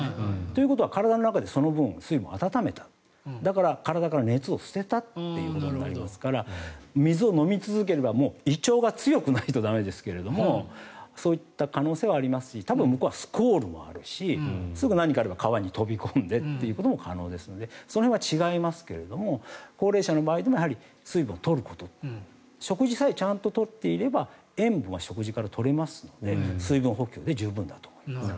ということは体の中で水分を温めただから、体から熱を捨てたということになりますから水を飲み続ければ胃腸が強くないと駄目ですけどそういった可能性はありますし多分、向こうはスコールもあるしすぐ何かあれば、川に飛び込んでということも可能ですのでその辺は違いますけれど高齢者の場合でも水分を取ること食事さえちゃんと取っていれば塩分は食事から取れますので水分補給で十分だと思います。